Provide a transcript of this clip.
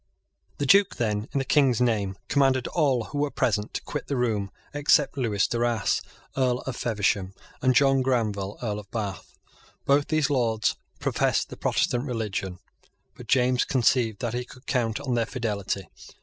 The Duke then, in the King's name, commanded all who were present to quit the room, except Lewis Duras, Earl of Feversham, and John Granville, Earl of Bath. Both these Lords professed the Protestant religion; but James conceived that he could count on their fidelity.